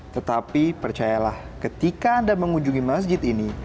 tetapi percayalah ketika anda mengunjungi masjid ini